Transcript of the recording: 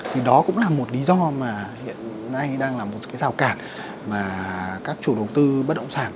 thì đó cũng là một lý do mà hiện nay đang là một cái rào cản mà các chủ đầu tư bất động sản